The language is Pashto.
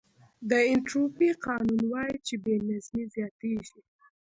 د انټروپي قانون وایي چې بې نظمي زیاتېږي.